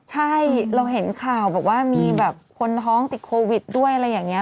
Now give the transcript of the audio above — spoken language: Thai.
ใช่เราเห็นข่าวแบบว่ามีแบบคนท้องติดโควิดด้วยอะไรอย่างนี้